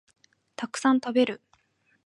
たくさん食べる